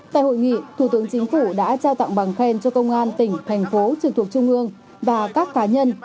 tại hội nghị thủ tướng chính phủ đã trao tặng bằng khen cho công an tỉnh thành phố trực thuộc trung ương và các cá nhân